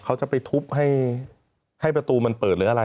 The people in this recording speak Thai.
เขาจะไปทุบให้ประตูมันเปิดหรืออะไร